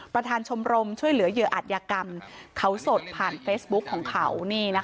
ประธานชมรมช่วยเหลือเหยื่ออัตยกรรมเขาสดผ่านเฟซบุ๊คของเขา